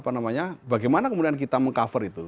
nah bagaimana kemudian kita meng cover itu